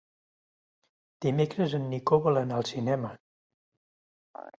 Dimecres en Nico vol anar al cinema.